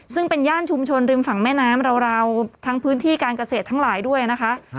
ซึ่งเป็นย่านชุมชนริมฝั่งแม่น้ำราวทั้งพื้นที่การเกษตรทั้งหลายด้วยนะคะ